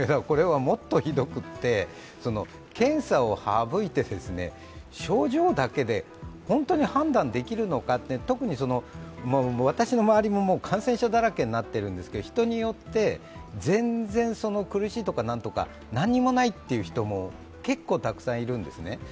もっとひどくて、検査を省いて症状だけで本当に判断できるのか、特に私の周りも感染者だらけになっているんですけど、人によって全然苦しいとか何とか、何もないという人も結構たくさんいるんですね。